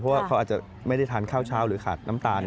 เพราะว่าเขาอาจจะไม่ได้ทานข้าวเช้าหรือขาดน้ำตาล